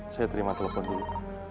saya terima telepon dulu